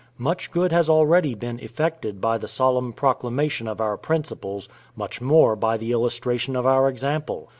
Much good has already been effected by the solemn proclamation of our principles, much more by the illustration of our example.